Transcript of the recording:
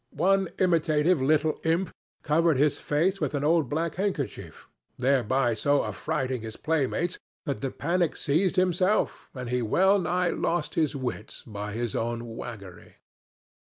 One imitative little imp covered his face with an old black handkerchief, thereby so affrighting his playmates that the panic seized himself and he wellnigh lost his wits by his own waggery.